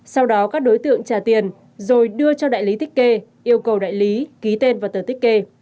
sau đó các đối tượng trả tiền rồi đưa cho đại lý tích kê yêu cầu đại lý ký tên vào tờ tích kê